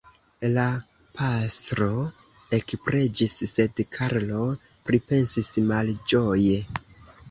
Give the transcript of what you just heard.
La pastro ekpreĝis, sed Karlo pripensis malĝoje.